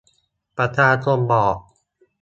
ประชาชนบอก